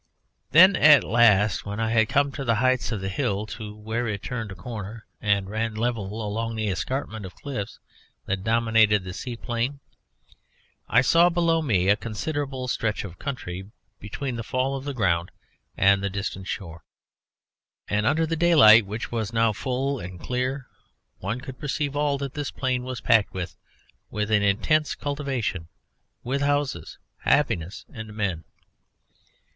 Then at last, when I had come to the height of the hill, to where it turned a corner and ran level along the escarpment of the cliffs that dominated the sea plain, I saw below me a considerable stretch of country, between the fall of the ground and the distant shore, and under the daylight which was now full and clear one could perceive that all this plain was packed with an intense cultivation, with houses, happiness and men.